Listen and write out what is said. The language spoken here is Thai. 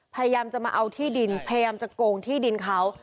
พยายามจะมาเอาที่ดินพยายามจะโกงที่ดินเขา